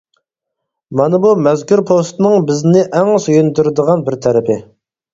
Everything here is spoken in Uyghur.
مانا بۇ مەزكۇر پوۋېستنىڭ بىزنى ئەڭ سۆيۈندۈرىدىغان بىر تەرىپى.